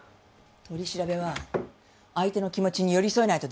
取り調べは相手の気持ちに寄り添えないとできない。